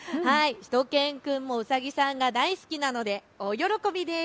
しゅと犬くんもうさぎさんが大好きなので大喜びです。